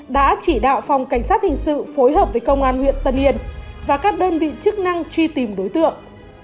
đã chỉ đạo phòng cảnh sát hình sự phối hợp với công an huyện tân yên và các đơn vị chức năng truy tìm đối tượng